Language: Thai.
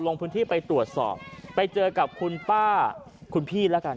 ลงพื้นที่ไปตรวจสอบไปเจอกับคุณป้าคุณพี่แล้วกัน